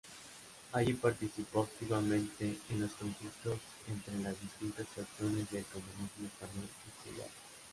Allí participó activamente en los conflictos entre las distintas facciones del comunismo español exiliado.